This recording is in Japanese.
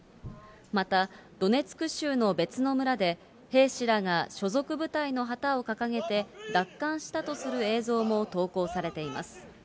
また、ドネツク州の別の村で、兵士らが所属部隊の旗を掲げて、奪還したとする映像も投稿されています。